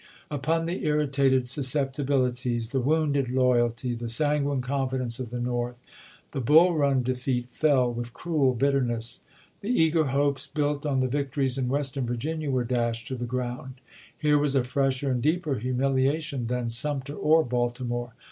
Upon the irritated susceptibilities, the wounded loyalty, the sanguine confidence of the North, the Bull Run defeat fell with cruel bitterness. The eager hopes built on the victories in Western Vir ginia were dashed to the gi'ound. Here was a fresher and deeper humiliation than Sumter or Baltimore.